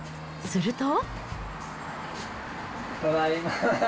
すると。